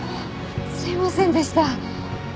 すいませんでした。